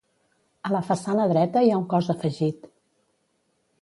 A la façana dreta hi ha un cos afegit.